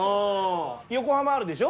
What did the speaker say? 横浜あるでしょ。